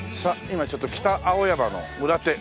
今ちょっと北青山の裏手。